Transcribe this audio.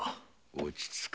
落ち着け。